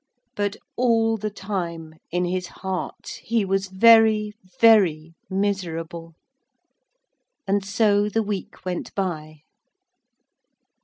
But all the time, in his heart, he was very, very miserable. And so the week went by.